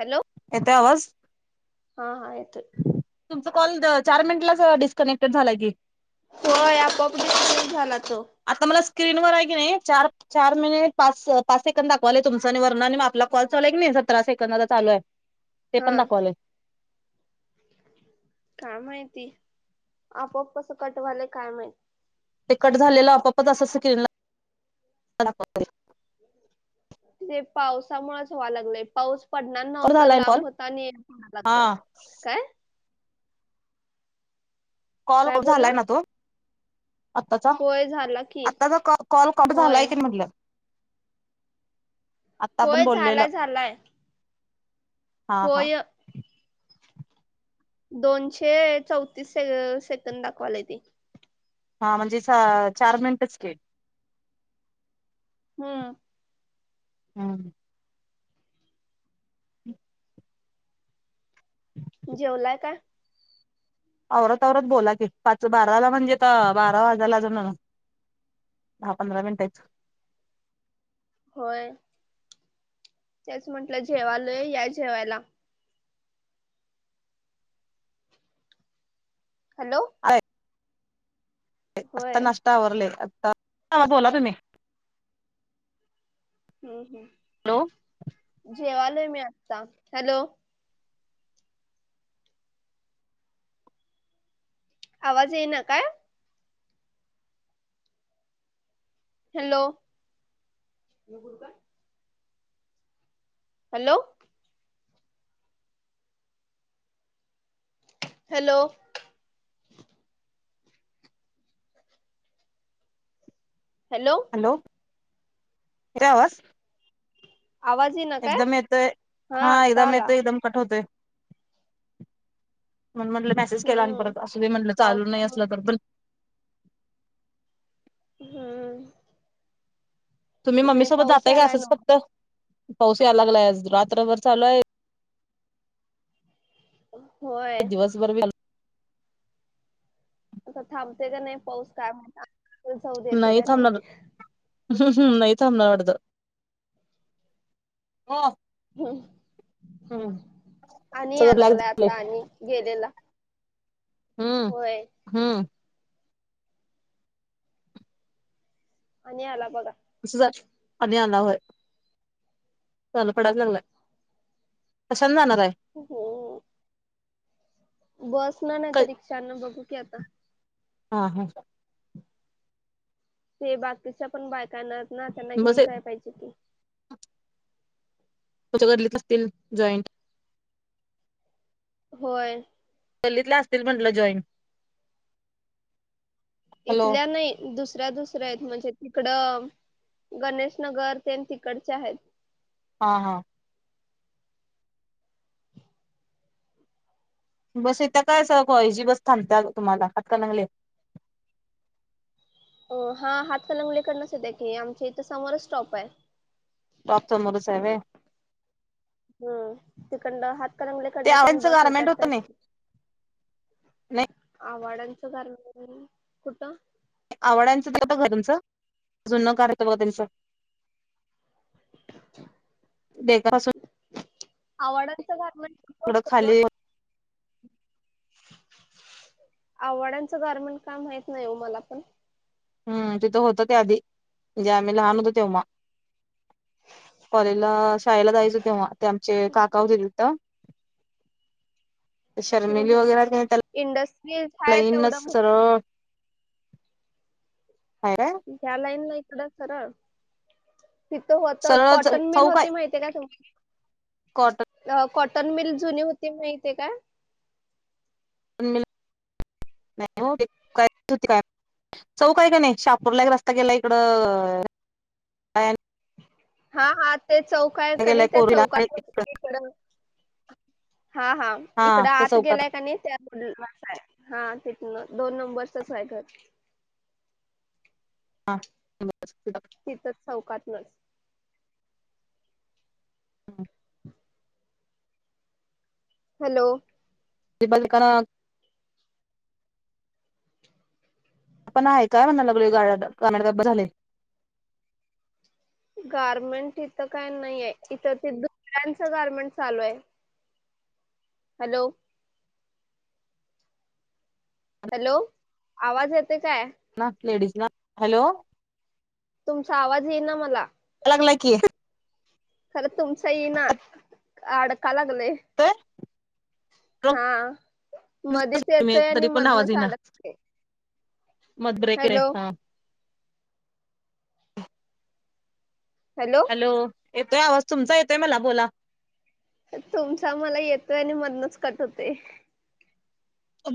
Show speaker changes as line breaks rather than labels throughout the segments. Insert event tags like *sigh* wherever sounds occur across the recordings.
Hello
येतोय आवाज
हा, हा येतोय
तुमचा कॉल चार अ मिनिटलाच डिस्कनेक्टेड झालाय की
हो आपोआप डिस्कनेक्ट झाला तो
आता मला स्क्रीन वर आहे की नाही चार चार मिनिट पाच पाच सेकंद दाखवालय तुमचं आणि वर्ण आणि मग आपला कॉलचाल की नाही सतरा सेकंद चालू आहे. ते
हा
पण दाखवले.
काय माहिती आपो आप कस कटवालंय काय माहिती.
ते कट झालेलं आपापत असं के दाखवले.
ते पावसामुळेच व्हा लागलंय पाऊस. पडणार नव्हता
झालाय ना कॉल?
लांब होता आणि पडायला
हा.
लागय काय.
कॉल
काय
कट
बोलला
झालाय ना तो. आताचा
होय झाला की
आताचा क कॉल कट झालाय
होय
की म्हटल्या. आत्ता आपण
होय
बोललेलं.
झालाय झालाय.
हा हा.
होय. दोनशे चौतीस से सेकंद दाखवालाय ते.
हा म्हणजे सा चार मिनटच की.
हम्म.
हम. हम.
जेवलाय का.
अ औवरत आवरत बोला की पाच बाराला म्हणजे त बारा वाजाला अजून. दहा पंधरा मिनिटेच हाईत.
होय. तेच म्हंटलं जेवायलय या जेवायला. हॅलो,
अ, आता
होय
नाष्ट आवरले आ बोला तुम्ही.
हम हम.
हॅलो,
जेवाल मी अता हॅलो. आवाज ये ना काय. Hello, hello, hello, hello,
hello येथे आवाज.
आवाज. येईना काय?
एकदम येतोय हा
आता
एकदम
आला
येतो एकदम. कट होतं म्हणून म्हटले. मेसेज केला आणि
हम्म
परत असं म्हटलं चालू नाही
पावसामुळं
असलं तर पण
हम्म.
तुम्ही मम्मी
नाही
सोबत
पाऊस
जाताय का
यायलाय
असंच
नव्ह
फक्त पाऊस याय लागलाय रात्रभर चालू आहे.
होय.
दिवसभर चालू.
आता थांबते का नाही पाऊस काय म्हणत.
नाही थांबला ग. ह् हम्म नाही थांबणार वाटतं.
हम्
हम्म
आणि
सगळं ब्लॅक
यालागलाय
झालंय
आता आणि गेलेला.
हम्म
होय
हम्म.
मिळालं बघां
जां पाणी आणां होयं तडफडां चालंला आहे कशांने जाणारं आहे
हो हो बसं नं नाहीं
काय
तरं रिक्षां नं बघूं की आंता
हां हां
ते बाकीच्यां पणं बायकांना नां त्यांना
बस
घेऊंन जांय पाहिजे की
तुमच्यां गल्लीत असतील जॉईंट
होयं.
गल्लीतल्यां असतील म्हटलं जॉईन हॅलो
इथल्यां नाहीं दुसऱ्यां दुसऱ्यां आहेतं म्हणजे तिकडं गणेशनगरं ते तिकडच्यां आहेतं.
हां हां. बसं येतं कायं कॉलेजी बसं थांबता तुम्हांला हातकणंगले
हो हां हातकलंगलेकडनं येत्यां की आमच्या इथं समोरचं स्टॉप आहे.
स्टाॅप समोरचं हांय होयं.
हम्मं तिकडंन
ते
हातकंगल्याकडनं तेन
आवड्यांचं
बसं
गारमेंट
येतांत
होतं
त्यांच
नाही नाही
आव्हाड्यांच दरम्यांन कुठं
आवड्यांच घरं तिथं तुमचं जूंन घरं होतं बघां त्यांचं देखां असूंन
आवड्यांच घरं म्हणजे कुंठे
तिकडं
येतं
खाली *unintelligible* *unintelligible*
आवड्यांच दारमंन कायं माहित नाहीं हो मलां पणं
हम्मं तिथं होतं ते आंधी जे आम्हीं लहांन होतो तेंव्हा. कॉलेजला शाळेलां जायचं तेव्हां ते आमचे काका होतं होते तिथं
हम्म
शर्मिली
हम्म
वगैरें कां त्यांलां
इंडस्ट्रीज आहे
लाईनचं
तेवढं
सरळं हां कायं
त्यां लाईन नं इकडं सरळं तिथं होतं
सरळ
कॉटन मिलं
चौक आहे
होती माहितीय कां तुम्हंची
कॉटन
कॉटन मिल जुनी होती माहितीये कायं?
नाहीं हो चौक हांय कायं नाहीं शाहांपूरलां एक रस्तां गेलां इकडं
हां हां ते चौक आहे कनी
गेलाय
त्यां चौकांत
कोरीला
इकडं हां हां
हा
इकडं
त्या
आंत
चौकात
गेलांय कां नाहीं हां तिथं दोन नंबरचं आहे घरं
हां नं
तिथंच चौकांतल
हां
हॅलो.
ते बंद करां आपणं आहे कायं म्हणणांला लगले गांड गं झाले
गारमेंट इथं कायं नाहींय इथं ते दुसऱ्यांचं गारमेंट चालूं आहे. हॅलो. हॅलो आवांज येते कायं?
ना, लेडीज ना, हॅलो?
तुमचा आवाज येई ना, मला.
या लागलाय की.
खरं तुमचा येई ना, अडका लागलंय. हां, मधीच येतोय आणि मधनच आडक
मधरेक
हॅलो
हा *unintelligible*
हॅलो?
हॅलो? येतोय आवाज, तुमचा येतोय मला, बोला.
तुमचा मला येतोय आणि मधनच कट होतोय.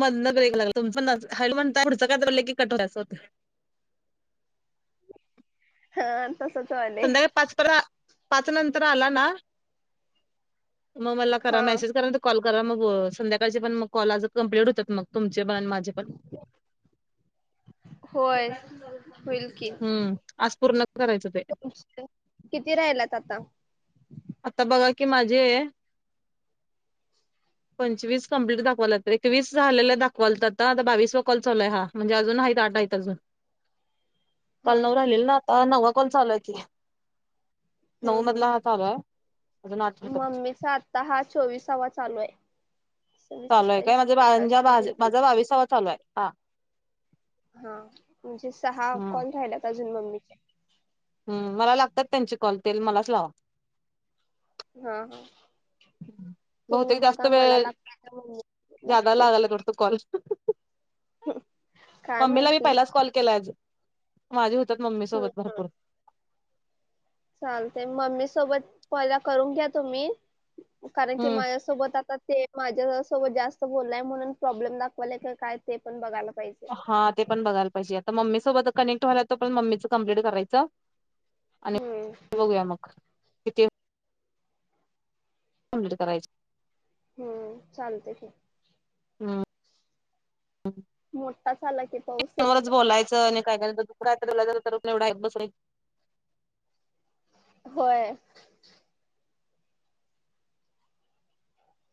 मधन ब्रेक लागला, तुमं हू म्हणताय, पुढचं काय कट *unintelligible* यचं होते.
हं तसच व्हायले.
संध्याकाळी पाच पर, पाच नंतर आला ना, म मला करा
हा.
मेसेज, कारण आत कॉल करा, मग संध्याकाळचे पण, मग कॉल आज कम्प्लीट होतात मग, तुमचे पण, माझे पण.
होय, होईल. की.
हम्म, आज पूर्ण करायचं ते.
*unintelligible* किती राहिलात, आता?
आता बघा की, माझे पंचवीस कम्प्लीट दाखवावलात, एकवीस झालेला दाखवालातात, आता बावीस वा कॉल चालूय हा. म्हणजे अजून आहेत, आठ आहेत, अजून.
हा
काल नऊ
हा.
राहिलेल ना आता, नववा कॉल चालूय की, नऊ
हम्म
मधला हा
हम्म
चालूये.
मम्मीचा आत्ता हा, चोवीसावा चालू ये.
चालू ये काय, म्हणजे मांज्या, माज बाविसावा चालू ये, हा.
हा, म्हणजे सहा
हम्म
कॉल राहिलेत अजून, मम्मीचे.
हम्म, मला लागतात त्यांचे कॉल, तेल मलाच लावा.
हां, तुम्ही बघा मला लागताय का, मग मी
ज्यादा लागलेत वाटतं, कॉल.
काय
मम्मीला मी
माहिती.
पहिलाच कॉल केलाय अजून, माझे होतात मम्मी
हम्म
सोबत भरपूर.
चालतय, मम्मी सोबत पहिला करून घ्या, तुम्ही. कारण की
हम्म
माया सोबत आता ते माझ्या सोबत जास्त बोलाय, म्हणून प्रॉब्लेम दाखवालाय का काय, ते पण बघायला पाहिजे.
हां, ते पण बघायला पाहिजे, आता मम्मी सोबत कनेक्ट व्हायला त, पण मम्मीचं कम्प्लीट करायचं. आणि
हम्म
बघूया मग किती कम्प्लीट करायचं
हम्म, चालत.
हम्म.
मोठाच आला की पाऊस
समोरच बोलायंचं आणि काय *unintelligible* दुरात तर एवढा बसय. *unintelligible*
होय.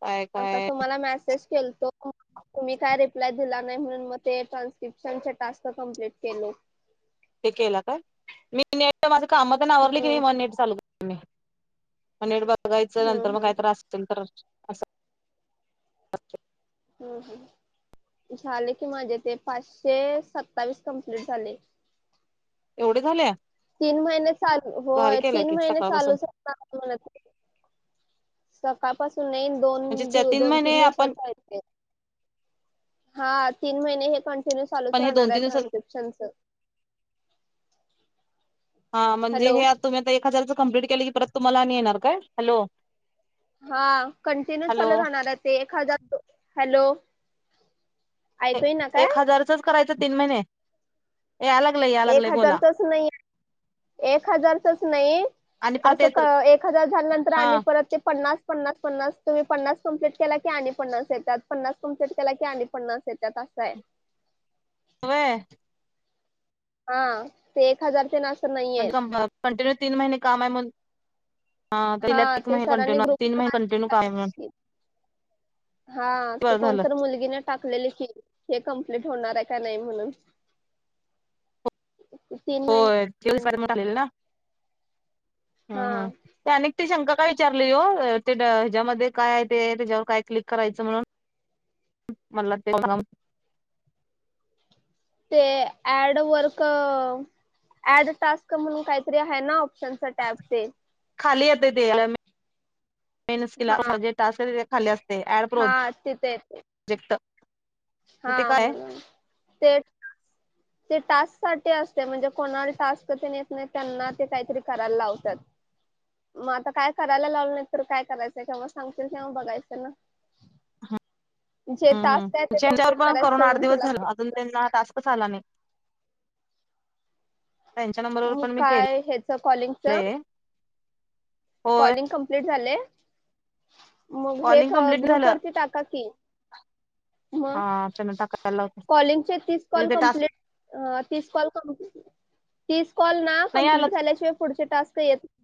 काय
आता
काय
तुम्हाला मेसेज केलतो. तुम्ही काय रिप्लाय दिला नाही, म्हणून मग ते ट्रान्स्क्रिप्शनचे टास्क कम्प्लीट केलो.
ते केलं काय, मी नेट माझ कामं ते ना आवरली की,
हम्म
माझं नेट चालू मी पनीर बनवायचं, नंतर
हम्म
मग
हम्म
काही त्रास होत *unintelligible* असल तर अस.
हम्म. झाले की माझे, ते पाचशे सत्तावीस कम्प्लीट झाले.
एवढे झाले
तीन महिने सा,
भारी
होय
केलाय
तीन
की
महिने
सकाळपासून
चालूच असणार, म्हण सकाळपासून नाही दोन
म्हणजे
दिव दोन तीन
महिने
दिवसाच
आपण
आहेेत ते. हा तीन महिने हे कंटिन्यू चालूच
पण हे दोन
राहणार आहे
तीन दिवसात
ट्रान्स्क्रिप्शनच.
हा म्हणजे
हॅलो
हे आता तुम्ही आता एक हजारच कमप्लीट केलं की परत तुम्हाला येणार काय हॅलो.
हा कंटिन्यू
हॅलो
चालू राहणार आहे ते ए हजार दो हॅलो. ऐकू येईना काय?
एक हजारचच करायचं तीन महिने याय लागलं.
एक हजारच नाहीे. एक हजारचच नाही
आणि परत
असं क
येत
एक हजार झाल्यानंतर
हा
आणि परत ते पन्नास. पन्नास-पन्नास तुम्ही पन्नास कमप्लीट केला की आणि पन्नास येतात पन्नास कमप्लीटला की आणि पन्नास येतात असं आहे.
व्हय.
हा ते एक हजारचे तेन असं. नाहीये
म्हणजे कंटिन्यू तीन महिने काम आहे म्हणून.
हा
हाला एक
ते
महिने
सरांनी
कंटिन्यू तीन
ग्रुपला
महिने
मॅसेज
कंटिन्यू काम हाय म्हण.
टाकलेली. हा ते कोणत मुलगीना. टाकलेली की हे कमप्लीट होणार आहे का नाही म्हणून. तीन महिने.
वलेल ना हम
हा
ह *inaudible* अनेक टी शंका काय विचारली हो ते ह्याच्यामध्ये काय आहे ते त्याच्यावर काय क्लिक करायचं म्हणून. मला तेव *inaudible*
ते ऍड वर्क ऍड टास्क म्हणून काहीतरी आहे ना. त्यांचं टेप ते.
खाली येते ते *inaudible* मेनिला
हा
जेेल ते खाली असते ते ऍड
हा तिथे येते
प्रोजेक्ट. मग ते
हा
काय
म्हणून तेच. ते टास्क साठी असते म्हणजे कोणाला टास्क ते न येत नाही त्यांना ते काहीतरी करायला लावतात.
*inaudible*
मग आता काय करायला लावलं नाही तर काय करायचंय केव्हा सांगतील तेव्हा बघायचं ना.
हम
जे
हम
टास्क आहे
हम
ते
च्यावर
कम्प्लीट
पण
करायच
करून आठ
सोडून
दिवस
तिला
झाला अजून त्यांना टास्क झाला नाही. त्यांच्या नंबरवर
अ
पण मी
काय ह्याच कॉलिंगच.
केलंय होय
कॉलिंग कमप्लीट झाले मग हे
कॉलिंग कंप्लीट
ग्रुप
झालं
वरती टाका की, मग
हा त्यांना टाकायला लावतो
कॉलिंगचे तीस कॉल
म्हणजे ते टास्क
कमप्लीट. अ तीस कॉल क तीस कॉल ना
नाही आला
कंप्लीट झाल्याशिवाय पुढचे टास्क येत नाही.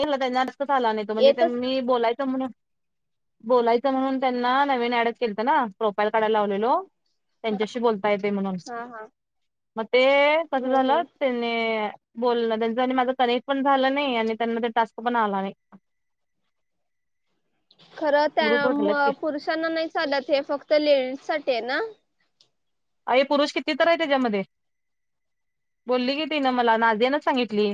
हेला त्यांना आडसच आला नाही तो म्हणजे
येतच नाही.
मी बोलायचं म्हणून. बोलायचं म्हणून त्यांना नवीन ऍडच केलंच ना प्रोफाईल काढायला लावलेलो.
हा
त्यांच्याशी बोलता येते म्हणून
हा हा.
मग ते कसं
हम्म
झालं.
हम्म
त्यांनी बोलण त्यांच आणि माझ कनेक्ट पण झालं नाही आणि त्यांमध्ये टास्क पण आला नाही.
खरं त्या
ग्रुपवर ठेवलेत
म
की
पुरुषांना नाही चालत हे फक्त लेडीज साठी आहे ना.
अ पुरुष किती तर आहे हेच्यामध्ये. बोलली की ती ना मला नादियानच सांगितली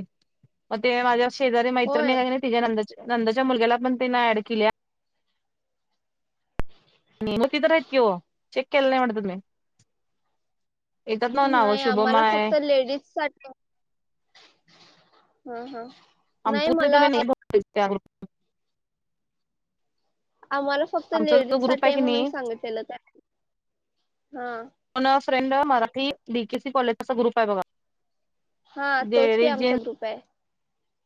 मग ते माझ्या. शेजारी मैत्रिणी
होय
एकहाय तिच्या नंदाच्या नंदाच्या मुलग्याला पण तिना ऍड केल्या. म तररय *unintelligible* किव चेक केला नाहीत वाट- नावं
नाही
शुभम
आम्हाला
आहे
फक्त लेडीजसाठी. हा हा,
आम
नाही
तू ते
मला
तुम्ही नाही *inaudible*
आम्हाला फक्त
आमचा
लेडीज
जो ग्रुप
साठी आहे
की
म्हणून
नाही
सांगितलेलं त्याने हा.
फोन फ्रेंड मराठी डीकेसी कॉलेजचा ग्रुप आहे बघा,
हा तोच की
लेडीज
आमचा ग्रुप आहे.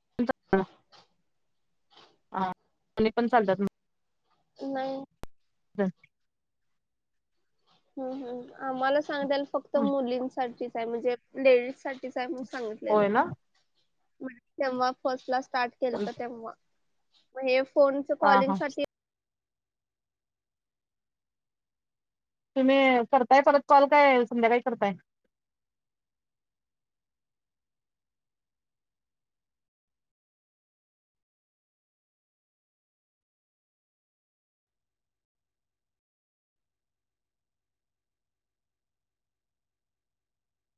*unintelligible*
नाही.
*inaudible*
हूं हूं आम्हाला सांग दल फक्त मुलींसाठीच आहे म्हणजे लेडीजसाठी. टीच आहे म्हणून सांगितलेलं
होय ना
तेव्हा फर्स्ट ला स्टाट केलता तेव्हा मं हे फोन चं
हा
कॉलिंग
हा
साठी
तुम्ही करताय परत कॉल काय संध्याकाळी करताय?